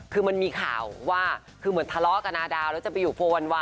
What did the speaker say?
คือมันมีข่าวว่าเงินแบบทะเลาะกับนาดาวจะไปอยู่๔๑๑